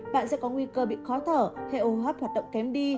bạn sẽ có nguy cơ bị khó thở hay hô hấp hoạt động kém đi